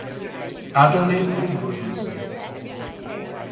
Adelaide then goes missing.